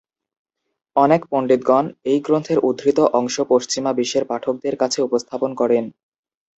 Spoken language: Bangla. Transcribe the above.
অনেক পণ্ডিতগণ এই গ্রন্থের উদ্ধৃত অংশ পশ্চিমা বিশ্বের পাঠকদের কাছে উপস্থাপন করেন।